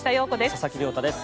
佐々木亮太です。